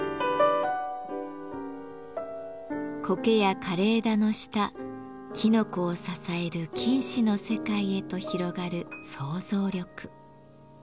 コケや枯れ枝の下きのこを支える菌糸の世界へと広がる想像力。